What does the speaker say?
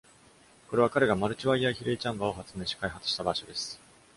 これは、彼がマルチワイヤー比例チャンバーを発明し、開発した場所です。